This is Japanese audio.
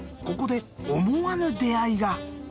ここで思わぬ出会いが。